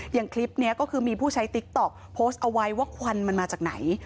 อย่างคลิปนี้ก็คือมีผู้ใช้ติ๊กต๊อกโพสต์เอาไว้ว่าควันมันมาจากไหน